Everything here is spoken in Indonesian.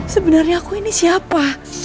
sebenarnya aku ini siapa